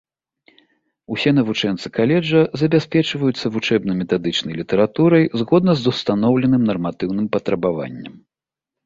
Усе навучэнцы каледжа забяспечваюцца вучэбна-метадычнай літаратурай згодна з устаноўленым нарматыўным патрабаванням.